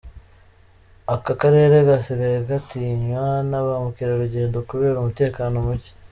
Aka karere gasigaye gatinywa na ba mukerarugendo kubera umutekano muke.